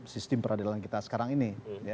sistem peradilan kita sekarang ini